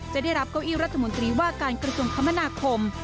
จะได้รับเก้าอี้รัฐมนตรีว่าการกระทรวงคมนาคม